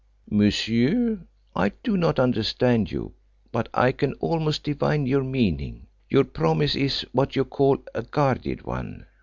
"Monsieur, I do not understand you, but I can almost divine your meaning. Your promise is what you call a guarded one.